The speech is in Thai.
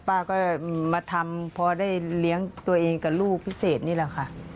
ป้าก็มาทำพอได้เลี้ยงตัวเองกับลูกพิเศษนี่แหละค่ะ